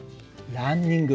ランニング。